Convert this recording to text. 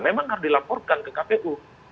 memang harus dilaporkan ke kpu